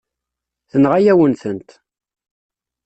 Tenɣa-yawen-tent.